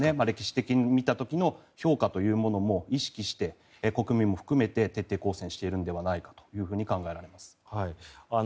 歴史的に見た時の評価というものも意識して、国民も含めて徹底抗戦しているんじゃないかと考えられます。